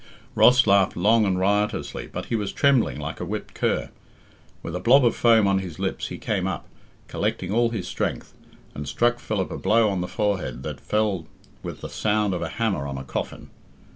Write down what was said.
Ross laughed long and riotously, but he was trembling like a whipped cur. With a blob of foam on his lips he came up, collecting all his strength, and struck Philip a blow on the forehead that fell with the sound of a hammer on a coffin.